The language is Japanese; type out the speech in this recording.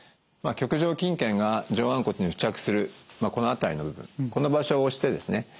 棘上筋腱が上腕骨に付着するこの辺りの部分この場所を押してですね